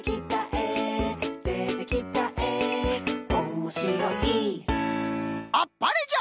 「でてきたえおもしろい」あっぱれじゃ！